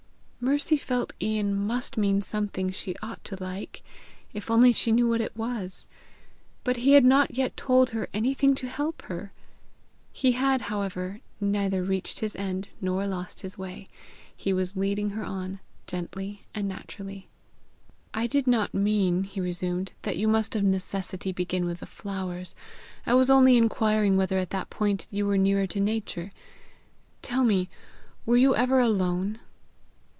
Mercy felt Ian must mean something she ought to like, if only she knew what it was; but he had not yet told her anything to help her! He had, however, neither reached his end nor lost his way; he was leading her on gently and naturally. "I did not mean," he resumed, "that you must of necessity begin with the flowers. I was only inquiring whether at that point you were nearer to Nature. Tell me were you ever alone?"